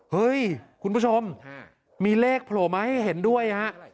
คุณผู้ชมมีเลขโผล่มาให้เห็นด้วยฮะ